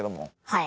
はい。